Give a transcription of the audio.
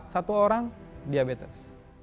satu orang diabetes